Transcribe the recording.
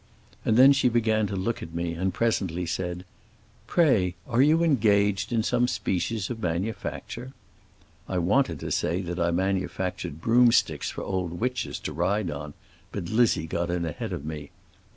And then she began to look at me and presently said, 'Pray, are you engaged in some species of manufacture?' I wanted to say that I manufactured broom sticks for old witches to ride on, but Lizzie got in ahead of me.